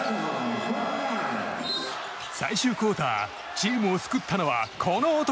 最終クオーターチームを救ったのは、この男。